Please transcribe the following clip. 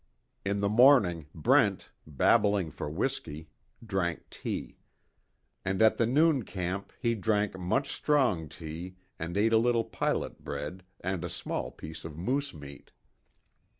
In the morning, Brent, babbling for whiskey, drank tea. And at the noon camp he drank much strong tea and ate a little pilot bread and a small piece of moose meat.